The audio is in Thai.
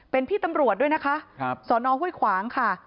เป็นพี่ตำรวจด้วยนะคะสอนอห้วยขวางค่ะ